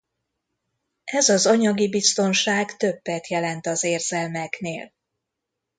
Ez az anyagi biztonság többet jelent az érzelmeknél.